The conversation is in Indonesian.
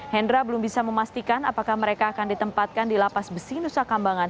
hendra belum bisa memastikan apakah mereka akan ditempatkan di lapas besi nusa kambangan